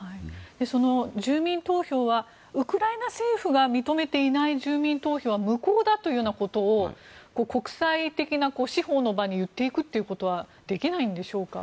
その住民投票はウクライナ政府が認めていない住民投票は無効だというようなことを国際的な司法の場に言っていくということはできないんでしょうか。